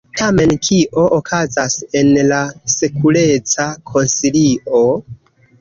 Tamen kio okazas en la Sekureca Konsilio?